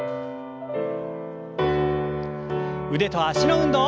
腕と脚の運動。